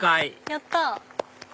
やった！